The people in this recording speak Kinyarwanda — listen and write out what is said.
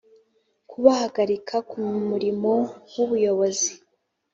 kubahagarika ku murimo w ubuyobozi